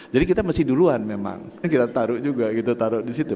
jadi kita mesti duluan memang kita taruh juga gitu taruh disitu